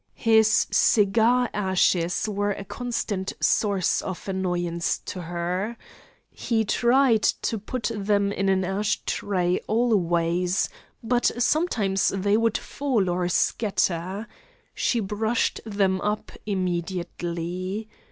His cigar ashes were a constant source of annoyance to her. He tried to put them in an ash tray always; but sometimes they would fall or scatter. She brushed them up immediately.